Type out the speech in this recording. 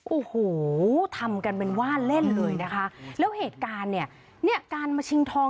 โอ้โหทำกันเป็นว่าเล่นเลยนะคะแล้วเหตุการณ์เนี่ยเนี่ยการมาชิงทอง